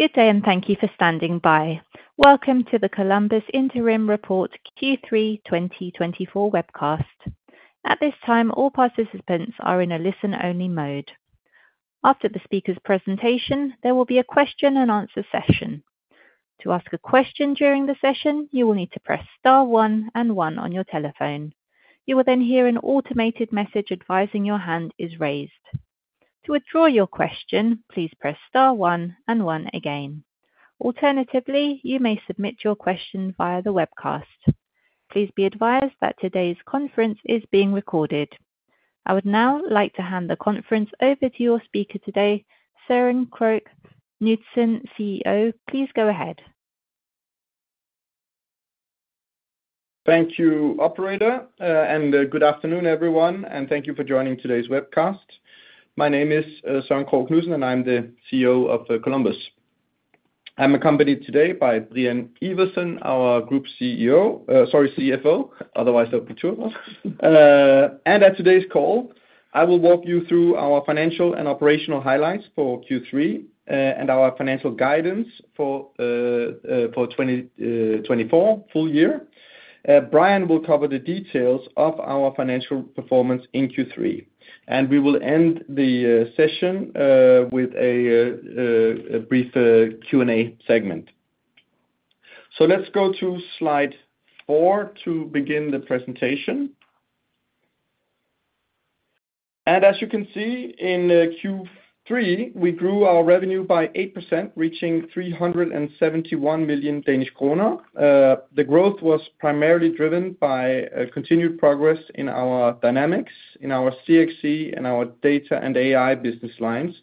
Good day, and thank you for standing by. Welcome to the Columbus Interim Report Q3 2024 webcast. At this time, all participants are in a listen-only mode. After the speaker's presentation, there will be a question-and-answer session. To ask a question during the session, you will need to press star one and one on your telephone. You will then hear an automated message advising your hand is raised. To withdraw your question, please press star one and one again. Alternatively, you may submit your question via the webcast. Please be advised that today's conference is being recorded. I would now like to hand the conference over to your speaker today, Søren Krogh Knudsen, CEO. Please go ahead. Thank you, operator, and good afternoon, everyone, and thank you for joining today's webcast. My name is Søren Krogh Knudsen, and I'm the CEO of Columbus. I'm accompanied today by Brian Iversen, our Group CEO, sorry, CFO. Otherwise, there'll be two of us. At today's call, I will walk you through our financial and operational highlights for Q3 and our financial guidance for 2024 full year. Brian will cover the details of our financial performance in Q3, and we will end the session with a brief Q&A segment. Let's go to slide four to begin the presentation. As you can see, in Q3, we grew our revenue by 8%, reaching 371 million Danish kroner. The growth was primarily driven by continued progress in our Dynamics, in our CXE, and our Data and AI business lines,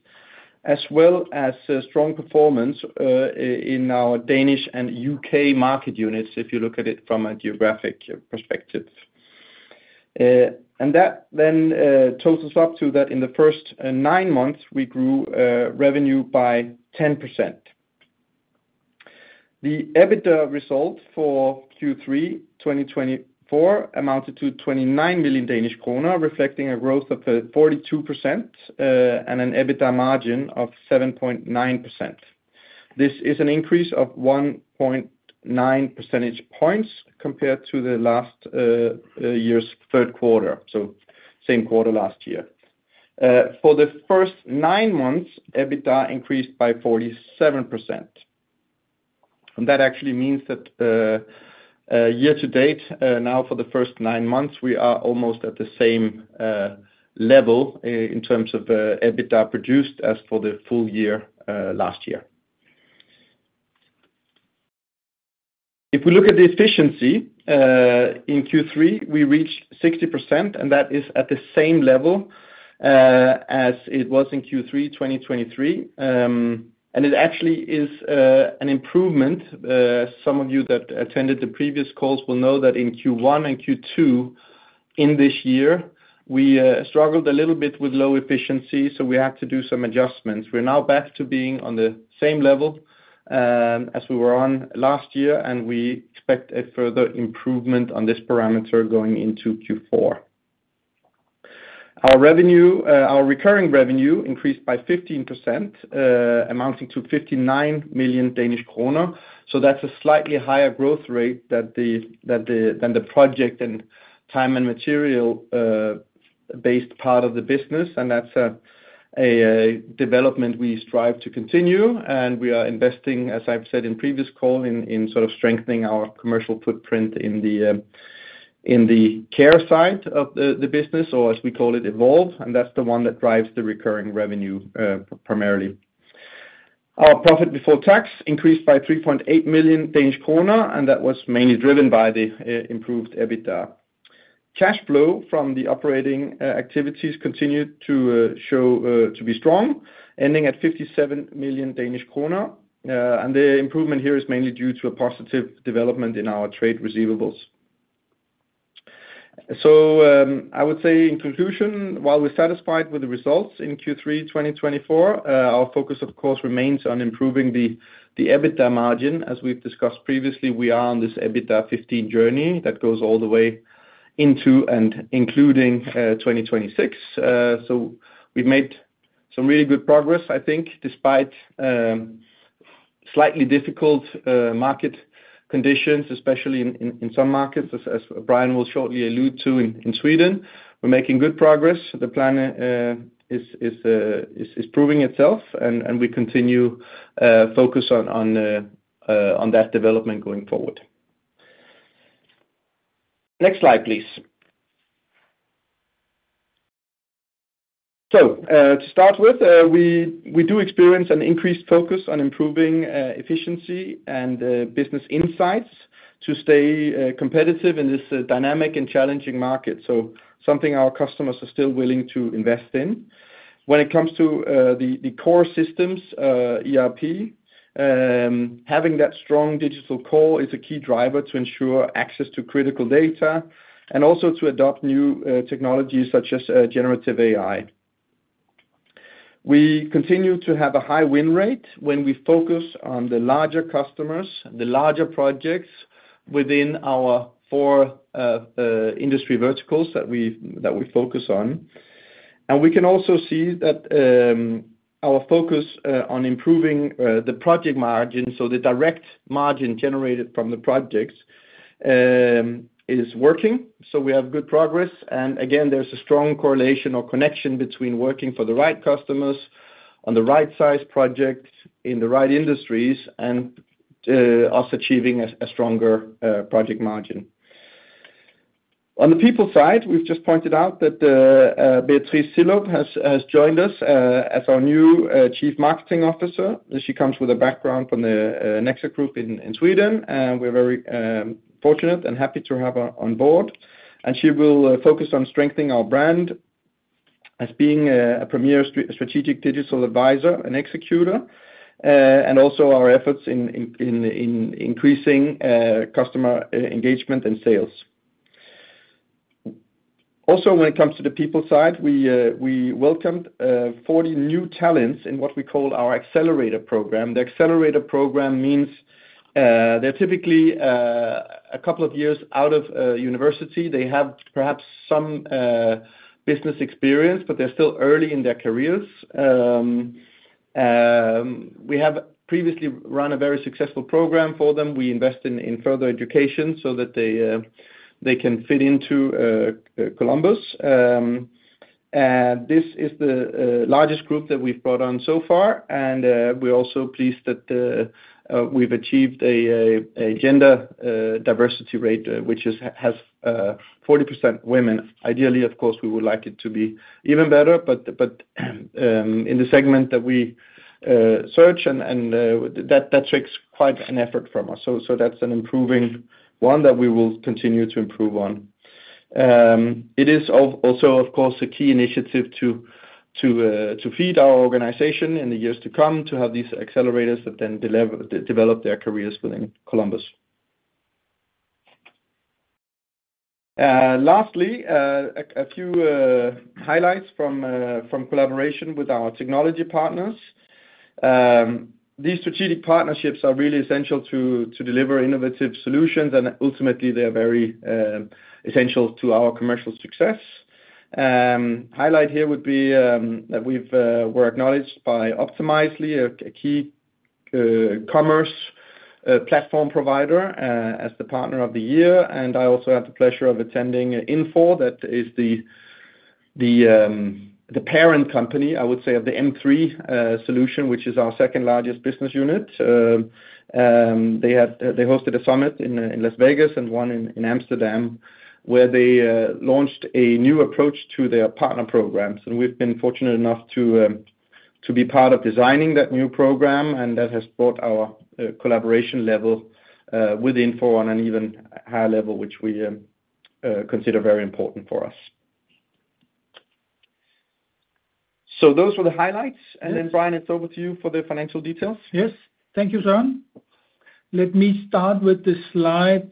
as well as strong performance in our Danish and U.K. market units, if you look at it from a geographic perspective, and that then totals up to that in the first nine months, we grew revenue by 10%. The EBITDA result for Q3 2024 amounted to 29 million Danish kroner, reflecting a growth of 42% and an EBITDA margin of 7.9%. This is an increase of 1.9 percentage points compared to the last year's third quarter, so same quarter last year. For the first nine months, EBITDA increased by 47%, and that actually means that year to date, now for the first nine months, we are almost at the same level in terms of EBITDA produced as for the full year last year. If we look at the efficiency in Q3, we reached 60%, and that is at the same level as it was in Q3 2023. And it actually is an improvement. Some of you that attended the previous calls will know that in Q1 and Q2 in this year, we struggled a little bit with low efficiency, so we had to do some adjustments. We're now back to being on the same level as we were on last year, and we expect a further improvement on this parameter going into Q4. Our recurring revenue increased by 15%, amounting to 59 million Danish kroner. So that's a slightly higher growth rate than the project and time and material-based part of the business. And that's a development we strive to continue. And we are investing, as I've said in previous calls, in sort of strengthening our commercial footprint in the Care side of the business, or as we call it, Evolve. And that's the one that drives the recurring revenue primarily. Our profit before tax increased by 3.8 million Danish kroner, and that was mainly driven by the improved EBITDA. Cash flow from the operating activities continued to be strong, ending at 57 million Danish kroner. And the improvement here is mainly due to a positive development in our trade receivables. So I would say, in conclusion, while we're satisfied with the results in Q3 2024, our focus, of course, remains on improving the EBITDA margin. As we've discussed previously, we are on this EBITDA 15 journey that goes all the way into and including 2026. So we've made some really good progress, I think, despite slightly difficult market conditions, especially in some markets, as Brian will shortly allude to in Sweden. We're making good progress. The plan is proving itself, and we continue to focus on that development going forward. Next slide, please. So to start with, we do experience an increased focus on improving efficiency and business insights to stay competitive in this dynamic and challenging market, so something our customers are still willing to invest in. When it comes to the core systems, ERP, having that strong digital core is a key driver to ensure access to critical data and also to adopt new technologies such as generative AI. We continue to have a high win rate when we focus on the larger customers, the larger projects within our four industry verticals that we focus on. And we can also see that our focus on improving the project margin, so the direct margin generated from the projects, is working. So we have good progress. And again, there's a strong correlation or connection between working for the right customers on the right size project in the right industries and us achieving a stronger project margin. On the people side, we've just pointed out that Beatrice Silow has joined us as our new Chief Marketing Officer. She comes with a background from the Nexer Group in Sweden, and we're very fortunate and happy to have her on board. And she will focus on strengthening our brand as being a premier strategic digital advisor and executor, and also our efforts in increasing customer engagement and sales. Also, when it comes to the people side, we welcomed 40 new talents in what we call our accelerator program. The accelerator program means they're typically a couple of years out of university. They have perhaps some business experience, but they're still early in their careers. We have previously run a very successful program for them. We invest in further education so that they can fit into Columbus. This is the largest group that we've brought on so far, and we're also pleased that we've achieved a gender diversity rate, which has 40% women. Ideally, of course, we would like it to be even better, but in the segment that we search, that takes quite an effort from us. So that's an improving one that we will continue to improve on. It is also, of course, a key initiative to feed our organization in the years to come to have these accelerators that then develop their careers within Columbus. Lastly, a few highlights from collaboration with our technology partners. These strategic partnerships are really essential to deliver innovative solutions, and ultimately, they are very essential to our commercial success. Highlight here would be that we were acknowledged by Optimizely, a key commerce platform provider, as the partner of the year, and I also had the pleasure of attending Infor, that is the parent company, I would say, of the M3 solution, which is our second largest business unit. They hosted a summit in Las Vegas and one in Amsterdam, where they launched a new approach to their partner programs, and we've been fortunate enough to be part of designing that new program, and that has brought our collaboration level with Infor on an even higher level, which we consider very important for us, so those were the highlights, and then, Brian, it's over to you for the financial details. Yes. Thank you, Søren. Let me start with the slide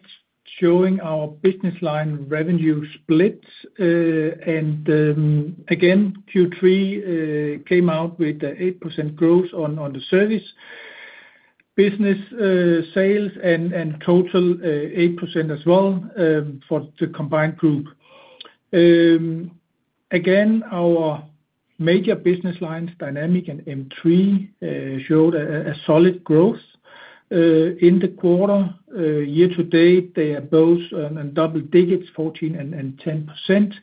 showing our business line revenue split, and again, Q3 came out with the 8% growth on the service business sales and total 8% as well for the combined group. Again, our major business lines, Dynamics and M3, showed a solid growth in the quarter. Year to date, they are both in double digits, 14% and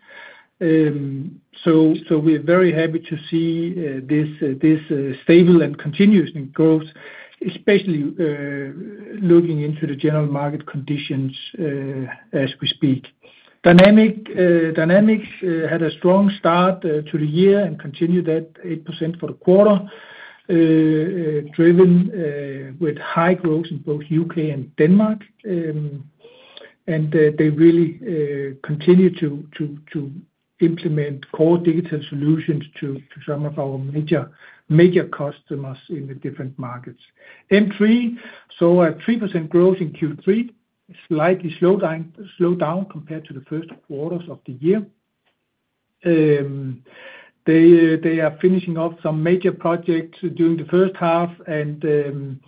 10%, so we are very happy to see this stable and continuous growth, especially looking into the general market conditions as we speak. Dynamics had a strong start to the year and continued that 8% for the quarter, driven with high growth in both U.K. and Denmark, and they really continue to implement core digital solutions to some of our major customers in the different markets. M3 saw a 3% growth in Q3, slightly slowed down compared to the first quarters of the year. They are finishing off some major projects during the first half and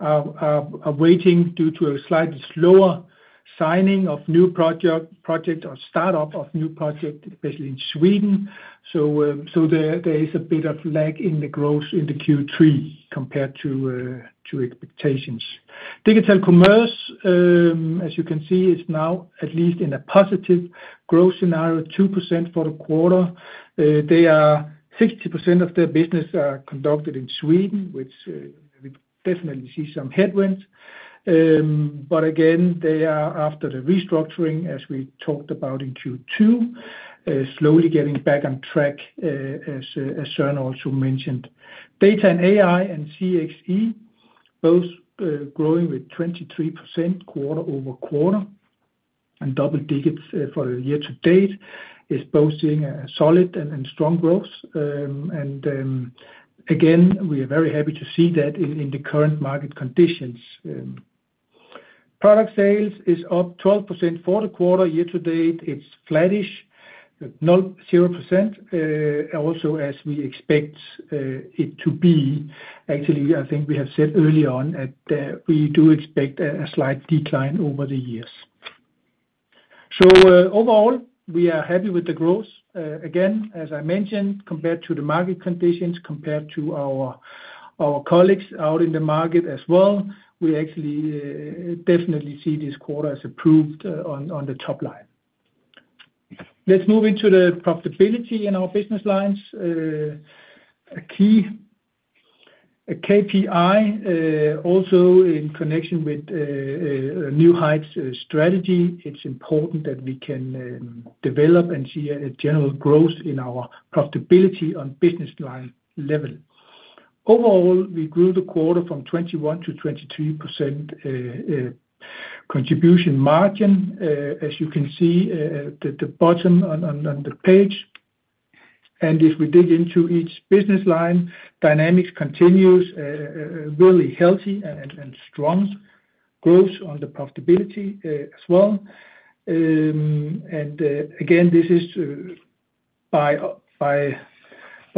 are waiting due to a slightly slower signing of new projects or startup of new projects, especially in Sweden, so there is a bit of lag in the growth in the Q3 compared to expectations. Digital Commerce, as you can see, is now at least in a positive growth scenario, 2% for the quarter. 60% of their business is conducted in Sweden, which we definitely see some headwinds, but again, they are, after the restructuring, as we talked about in Q2, slowly getting back on track, as Søren also mentioned. Data and AI and CXE, both growing with 23% quarter over quarter and double digits for the year to date, is both seeing solid and strong growth, and again, we are very happy to see that in the current market conditions. Product sales is up 12% for the quarter year to date. It's flattish, 0%, also as we expect it to be. Actually, I think we have said early on that we do expect a slight decline over the years, so overall, we are happy with the growth. Again, as I mentioned, compared to the market conditions, compared to our colleagues out in the market as well, we actually definitely see this quarter as a proof on the top line. Let's move into the profitability in our business lines. A key KPI, also in connection with New Heights strategy, it's important that we can develop and see a general growth in our profitability on business line level. Overall, we grew the quarter from 21%-23% contribution margin, as you can see at the bottom on the page. And if we dig into each business line, Dynamics continues really healthy and strong growth on the profitability as well. And again, this is by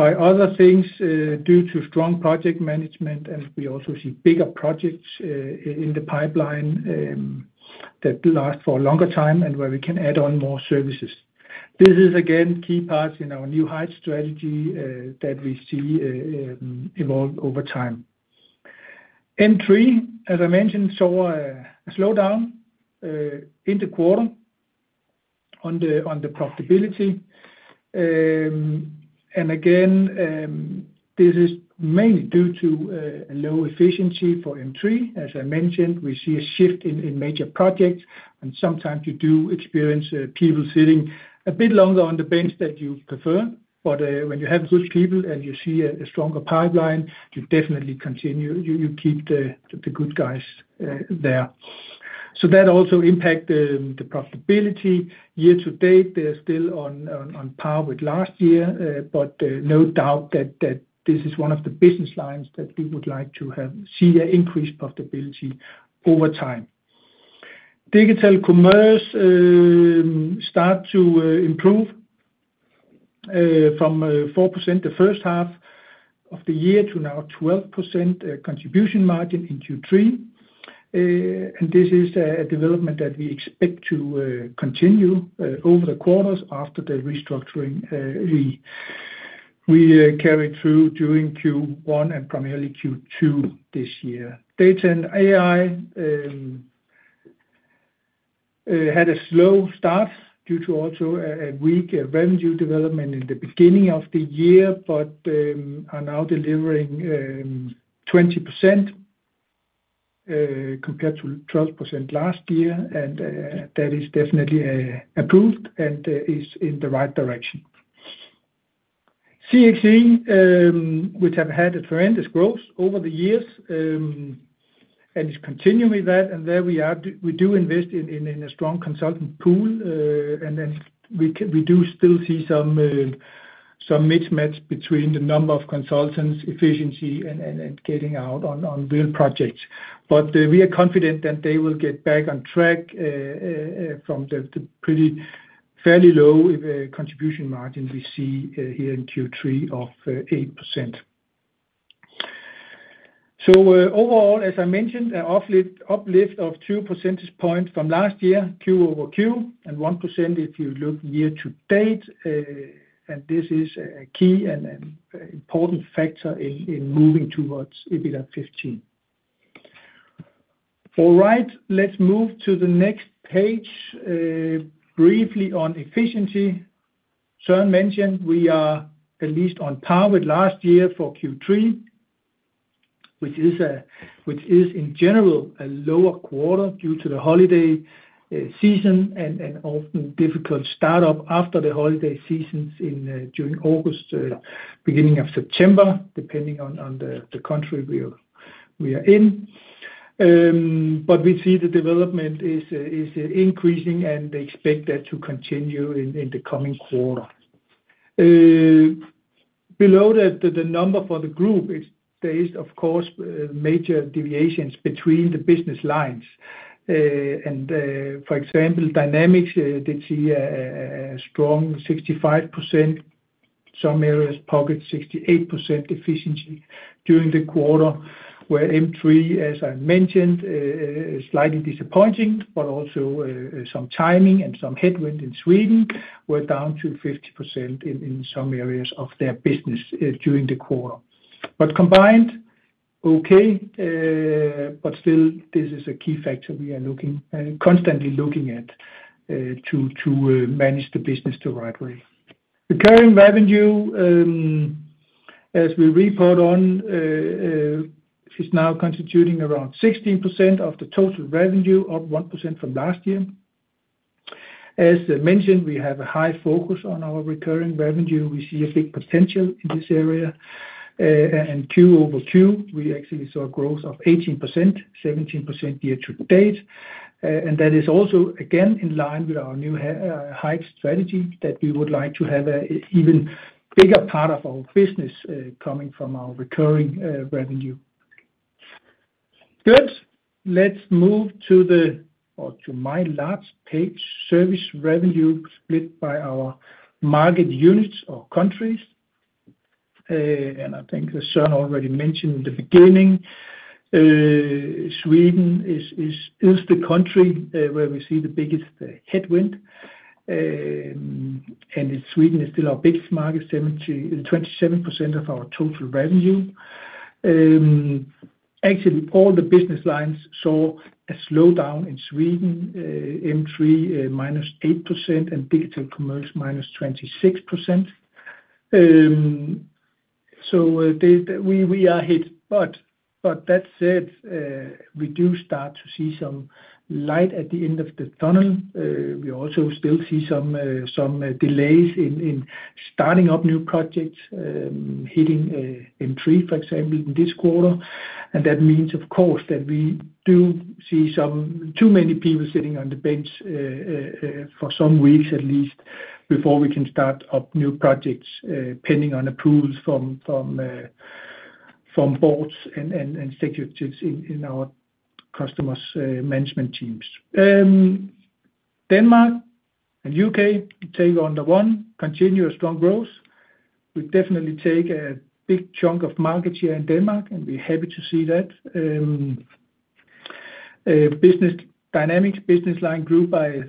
other things due to strong project management, and we also see bigger projects in the pipeline that last for a longer time and where we can add on more services. This is, again, key parts in our New Heights strategy that we see evolve over time. M3, as I mentioned, saw a slowdown in the quarter on the profitability. And again, this is mainly due to low efficiency for M3. As I mentioned, we see a shift in major projects, and sometimes you do experience people sitting a bit longer on the bench than you prefer. But when you have good people and you see a stronger pipeline, you definitely continue. You keep the good guys there. So that also impacts the profitability. Year to date, they're still on par with last year, but no doubt that this is one of the business lines that we would like to see an increased profitability over time. Digital Commerce started to improve from 4% the first half of the year to now 12% contribution margin in Q3, and this is a development that we expect to continue over the quarters after the restructuring we carried through during Q1 and primarily Q2 this year. Data and AI had a slow start due to also a weak revenue development in the beginning of the year, but are now delivering 20% compared to 12% last year, and that is definitely approved and is in the right direction. CXE, which have had a tremendous growth over the years, and is continuing that. And there we do invest in a strong consultant pool, and then we do still see some mismatch between the number of consultants, efficiency, and getting out on real projects. But we are confident that they will get back on track from the fairly low contribution margin we see here in Q3 of 8%. So overall, as I mentioned, an uplift of 2 percentage points from last year, Q over Q, and 1% if you look year to date. And this is a key and important factor in moving towards EBITDA 15. All right, let's move to the next page briefly on efficiency. Søren mentioned we are at least on par with last year for Q3, which is, in general, a lower quarter due to the holiday season and often difficult startup after the holiday seasons during August, beginning of September, depending on the country we are in. But we see the development is increasing, and they expect that to continue in the coming quarter. Below the number for the group, there is, of course, major deviations between the business lines. And for example, Dynamics did see a strong 65%, some areas pocket 68% efficiency during the quarter, where M3, as I mentioned, slightly disappointing, but also some timing and some headwind in Sweden were down to 50% in some areas of their business during the quarter. But combined, okay. But still, this is a key factor we are constantly looking at to manage the business the right way. Recurring revenue, as we report on, is now constituting around 16% of the total revenue, up 1% from last year. As mentioned, we have a high focus on our recurring revenue. We see a big potential in this area. Q over Q, we actually saw a growth of 18%, 17% year to date. That is also, again, in line with our New Heights strategy that we would like to have an even bigger part of our business coming from our recurring revenue. Good. Let's move to the, or to my last page, service revenue split by our market units or countries. I think Søren already mentioned in the beginning. Sweden is the country where we see the biggest headwind. Sweden is still our biggest market, 27% of our total revenue. Actually, all the business lines saw a slowdown in Sweden, M3 minus 8%, and Digital Commerce minus 26%. We are hit. That said, we do start to see some light at the end of the tunnel. We also still see some delays in starting up new projects, hitting M3, for example, in this quarter. And that means, of course, that we do see too many people sitting on the bench for some weeks, at least, before we can start up new projects, pending on approvals from boards and executives in our customers' management teams. Denmark and U.K. take on the one, continue a strong growth. We definitely take a big chunk of market share in Denmark, and we're happy to see that. Business Dynamics, business line grew by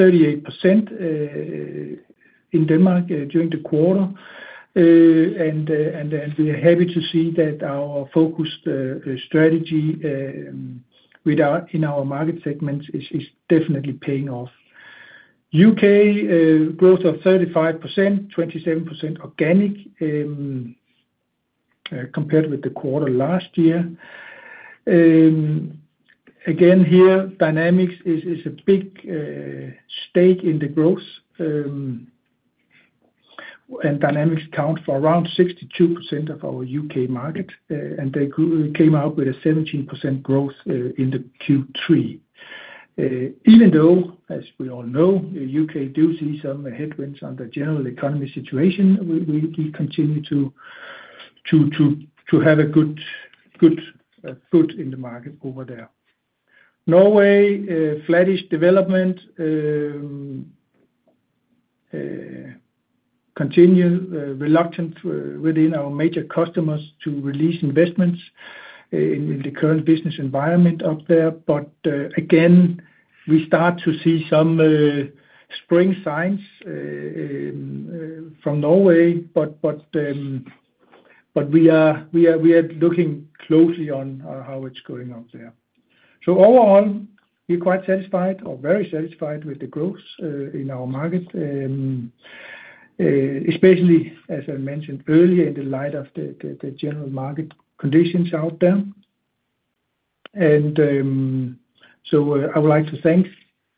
38% in Denmark during the quarter. And we're happy to see that our focused strategy in our market segments is definitely paying off. U.K., growth of 35%, 27% organic compared with the quarter last year. Again, here, Dynamics is a big stake in the growth. And Dynamics accounts for around 62% of our U.K. market, and they came out with a 17% growth in the Q3. Even though, as we all know, the U.K. do see some headwinds on the general economy situation, we continue to have a good foot in the market over there. Norway, flattish development, continue reluctant within our major customers to release investments in the current business environment up there. But again, we start to see some spring signs from Norway, but we are looking closely on how it's going up there. So overall, we're quite satisfied or very satisfied with the growth in our market, especially, as I mentioned earlier, in the light of the general market conditions out there. And so I would like to thank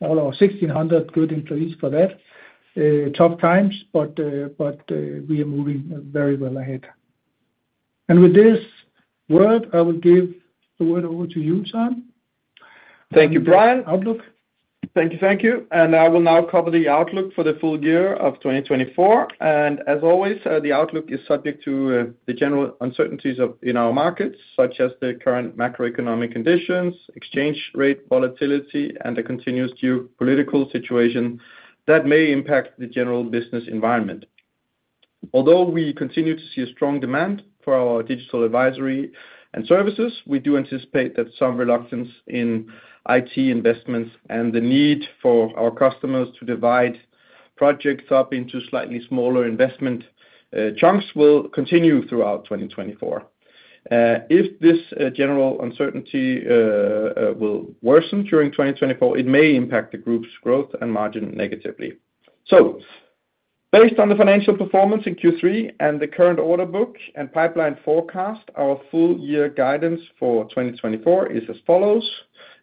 all our 1,600 good employees for that. Tough times, but we are moving very well ahead. And with this word, I will give the word over to you, Søren Knudsen. Thank you, Brian. Outlook. Thank you. Thank you. And I will now cover the outlook for the full year of 2024. And as always, the outlook is subject to the general uncertainties in our markets, such as the current macroeconomic conditions, exchange rate volatility, and the continuous geopolitical situation that may impact the general business environment. Although we continue to see a strong demand for our digital advisory and services, we do anticipate that some reluctance in IT investments and the need for our customers to divide projects up into slightly smaller investment chunks will continue throughout 2024. If this general uncertainty will worsen during 2024, it may impact the group's growth and margin negatively. Based on the financial performance in Q3 and the current order book and pipeline forecast, our full year guidance for 2024 is as follows: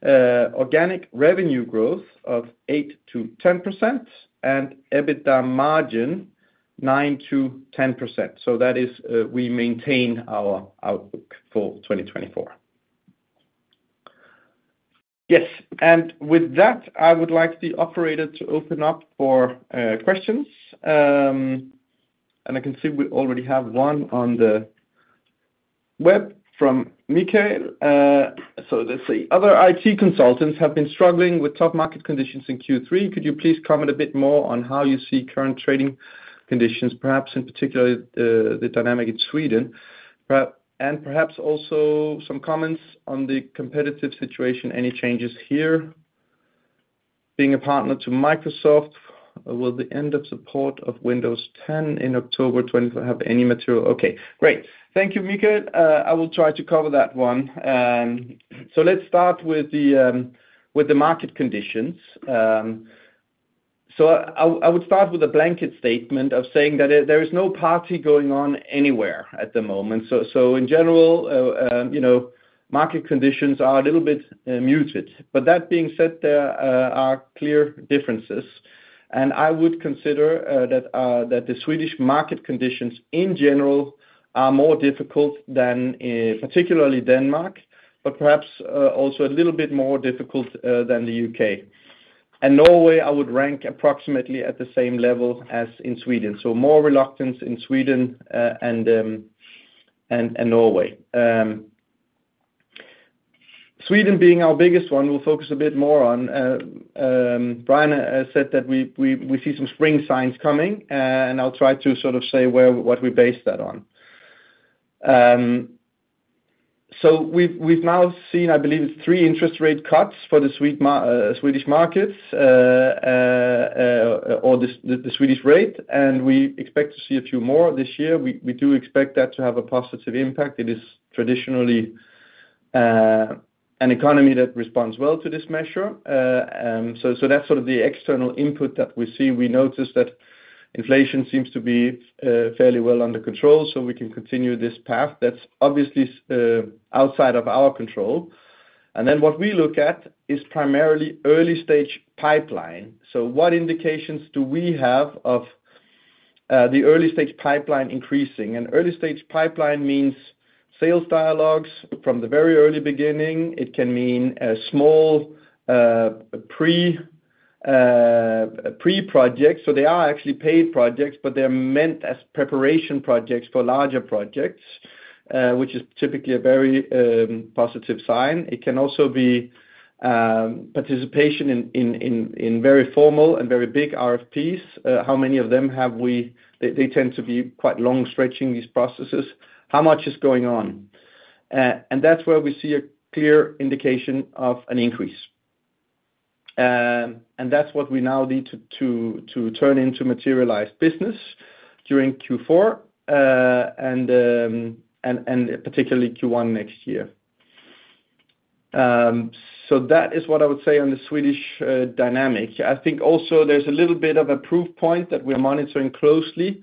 organic revenue growth of 8%-10% and EBITDA margin 9%-10%. That is, we maintain our outlook for 2024. Yes. With that, I would like the operator to open up for questions. I can see we already have one on the web from Mikael. Let's see. Other IT consultants have been struggling with tough market conditions in Q3. Could you please comment a bit more on how you see current trading conditions, perhaps in particular the Dynamics in Sweden, and perhaps also some comments on the competitive situation, any changes here? Being a partner to Microsoft, will the end of support of Windows 10 in October 2024 have any material? Okay. Great. Thank you, Mikael. I will try to cover that one. So let's start with the market conditions. So I would start with a blanket statement of saying that there is no party going on anywhere at the moment. So in general, market conditions are a little bit muted. But that being said, there are clear differences. And I would consider that the Swedish market conditions, in general, are more difficult than particularly Denmark, but perhaps also a little bit more difficult than the U.K. And Norway, I would rank approximately at the same level as in Sweden. So more reluctance in Sweden and Norway. Sweden, being our biggest one, we'll focus a bit more on. Brian said that we see some spring signs coming, and I'll try to sort of say what we base that on. We've now seen, I believe it's three interest rate cuts for the Swedish markets or the Swedish rate. And we expect to see a few more this year. We do expect that to have a positive impact. It is traditionally an economy that responds well to this measure. So that's sort of the external input that we see. We notice that inflation seems to be fairly well under control, so we can continue this path that's obviously outside of our control. And then what we look at is primarily early-stage pipeline. So what indications do we have of the early-stage pipeline increasing? And early-stage pipeline means sales dialogues from the very early beginning. It can mean small pre-projects. So they are actually paid projects, but they're meant as preparation projects for larger projects, which is typically a very positive sign. It can also be participation in very formal and very big RFPs. How many of them have we? They tend to be quite long-stretching, these processes. How much is going on, and that's where we see a clear indication of an increase, and that's what we now need to turn into materialized business during Q4 and particularly Q1 next year, so that is what I would say on the Swedish dynamic. I think also there's a little bit of a proof point that we're monitoring closely.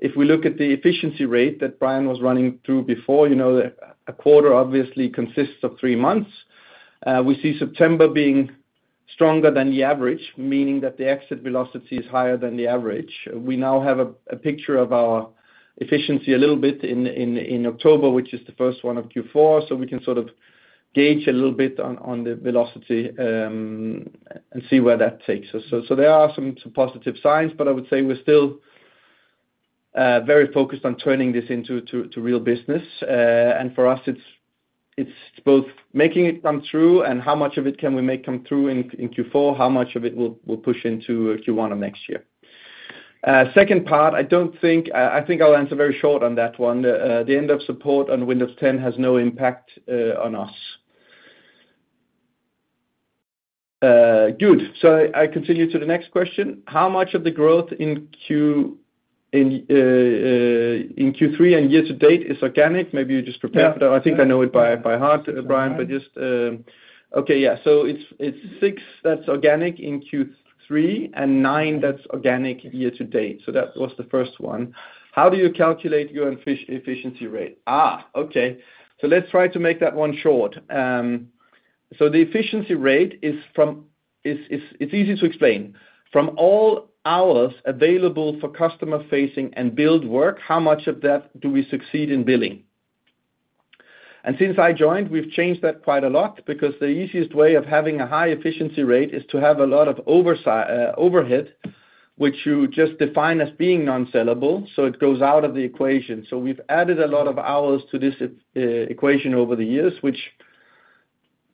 If we look at the efficiency rate that Brian was running through before, a quarter obviously consists of three months. We see September being stronger than the average, meaning that the exit velocity is higher than the average. We now have a picture of our efficiency a little bit in October, which is the first one of Q4. So we can sort of gauge a little bit on the velocity and see where that takes us. So there are some positive signs, but I would say we're still very focused on turning this into real business. And for us, it's both making it come through and how much of it can we make come through in Q4, how much of it will push into Q1 of next year. Second part, I don't think I'll answer very short on that one. The end of support on Windows 10 has no impact on us. Good. So I continue to the next question. How much of the growth in Q3 and year to date is organic? Maybe you just prepared for that. I think I know it by heart, Brian, but just okay. Yeah. So it's six that's organic in Q3 and nine that's organic year to date. So that was the first one. How do you calculate your efficiency rate? Okay. So let's try to make that one short. So the efficiency rate is; it's easy to explain. From all hours available for customer-facing and build work, how much of that do we succeed in billing? And since I joined, we've changed that quite a lot because the easiest way of having a high efficiency rate is to have a lot of overhead, which you just define as being non-sellable. So it goes out of the equation. So we've added a lot of hours to this equation over the years, which,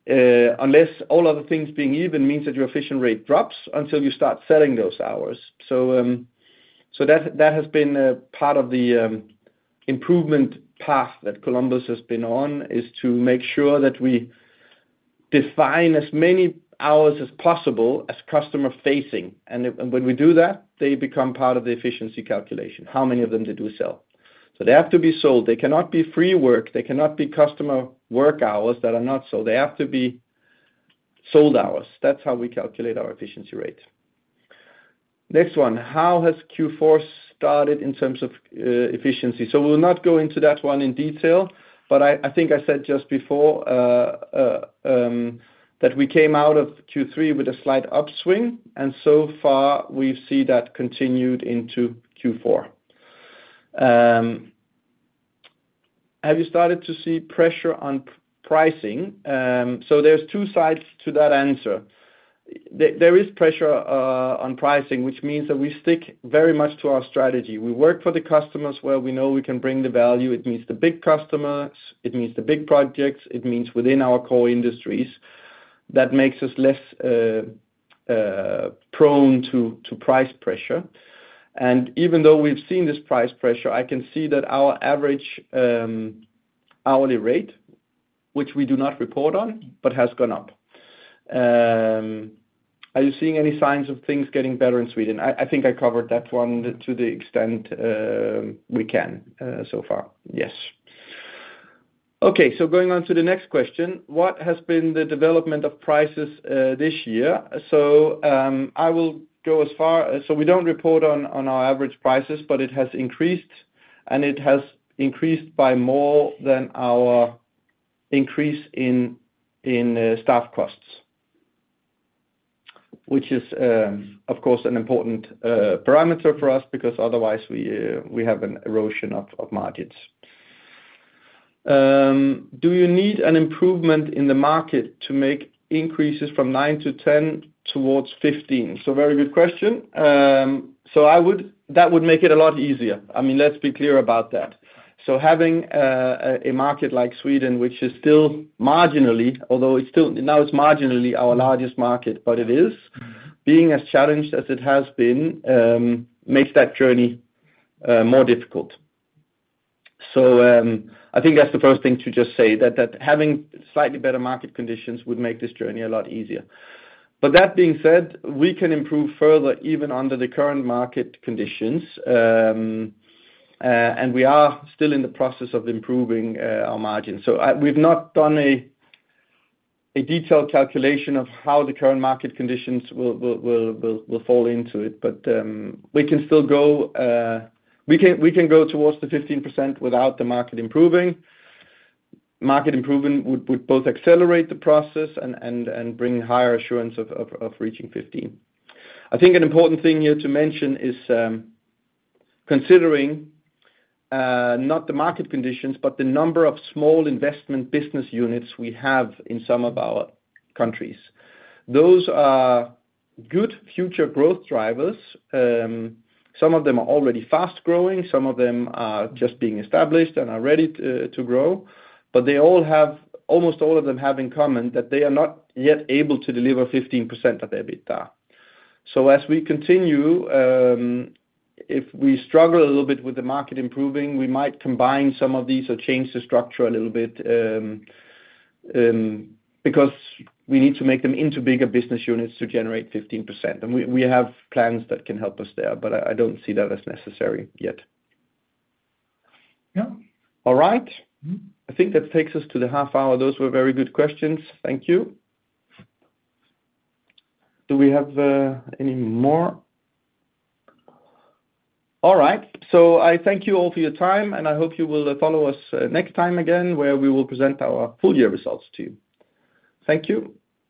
unless all other things being even, means that your efficiency rate drops until you start selling those hours. So that has been part of the improvement path that Columbus has been on, is to make sure that we define as many hours as possible as customer-facing. And when we do that, they become part of the efficiency calculation, how many of them they do sell. So they have to be sold. They cannot be free work. They cannot be customer work hours that are not sold. They have to be sold hours. That's how we calculate our efficiency rate. Next one. How has Q4 started in terms of efficiency? So we'll not go into that one in detail, but I think I said just before that we came out of Q3 with a slight upswing. And so far, we see that continued into Q4. Have you started to see pressure on pricing? So there's two sides to that answer. There is pressure on pricing, which means that we stick very much to our strategy. We work for the customers where we know we can bring the value. It means the big customers. It means the big projects. It means within our core industries. That makes us less prone to price pressure and even though we've seen this price pressure, I can see that our average hourly rate, which we do not report on, but has gone up. Are you seeing any signs of things getting better in Sweden? I think I covered that one to the extent we can so far. Yes. Okay, so going on to the next question, what has been the development of prices this year? So I will go as far. We don't report on our average prices, but it has increased, and it has increased by more than our increase in staff costs, which is, of course, an important parameter for us because otherwise we have an erosion of margins. Do you need an improvement in the market to make increases from 9%-10% towards 15%? So very good question. So that would make it a lot easier. I mean, let's be clear about that. So having a market like Sweden, which is still marginally, although now it's marginally our largest market, but it is, being as challenged as it has been makes that journey more difficult. So I think that's the first thing to just say, that having slightly better market conditions would make this journey a lot easier. But that being said, we can improve further even under the current market conditions, and we are still in the process of improving our margins. So we've not done a detailed calculation of how the current market conditions will fall into it, but we can still go towards the 15% without the market improving. Market improvement would both accelerate the process and bring higher assurance of reaching 15%. I think an important thing here to mention is considering not the market conditions, but the number of small investment business units we have in some of our countries. Those are good future growth drivers. Some of them are already fast-growing. Some of them are just being established and are ready to grow. But they all, almost all of them, have in common that they are not yet able to deliver 15% of their EBITDA. So as we continue, if we struggle a little bit with the market improving, we might combine some of these or change the structure a little bit because we need to make them into bigger business units to generate 15%. And we have plans that can help us there, but I don't see that as necessary yet. All right. I think that takes us to the half hour. Those were very good questions. Thank you. Do we have any more? All right. So I thank you all for your time, and I hope you will follow us next time again where we will present our full year results to you. Thank you.